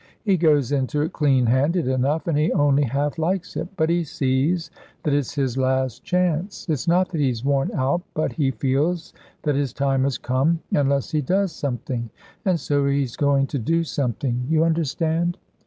"He goes into it clean handed enough and he only half likes it. But he sees that it's his last chance. It's not that he's worn out but he feels that his time has come unless he does something. And so he's going to do something. You understand?"